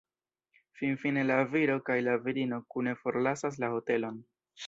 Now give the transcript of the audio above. Finfine la viro kaj la virino kune forlasas la hotelon.